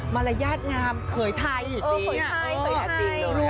มารยาทงามเผยไทยอีกจริงเนี่ยเออเผยไทยจริงเลยค่ะ